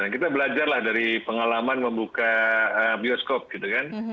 kita belajar lah dari pengalaman membuka bioskop gitu kan